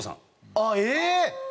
あっええ！